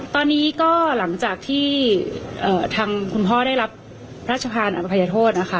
ตอนนี้ก็หลังจากที่ทางคุณพ่อได้รับพระราชทานอภัยโทษนะคะ